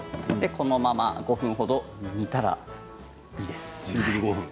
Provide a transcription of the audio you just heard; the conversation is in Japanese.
このまま５分ほど煮たらいいです。